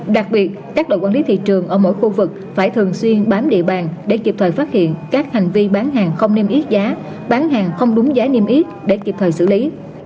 đặc biệt các đội quản lý thị trường ở mỗi khu vực phải thường xuyên bám địa bàn để kịp thời phát hiện các hành vi bán hàng không niêm yết giá bán hàng không đúng giá niêm yết để kịp thời xử lý